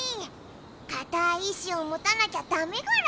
かたい意志をもたなきゃダメゴロ。